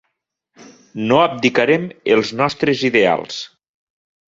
No abdicarem els nostres ideals.